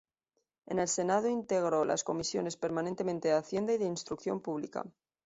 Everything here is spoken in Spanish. En el senado integro las Comisiones permanente de hacienda y de Instrucción Pública.